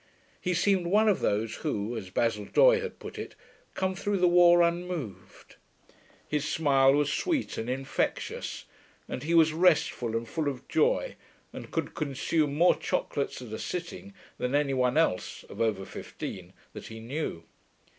He seemed one of those who, as Basil Doye had put it, come through the war unmoved. His smile was sweet and infectious, and he was restful and full of joy, and could consume more chocolates at a sitting than any one else (of over fifteen) that he knew.